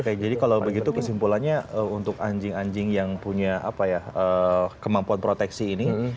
oke jadi kalau begitu kesimpulannya untuk anjing anjing yang punya kemampuan proteksi ini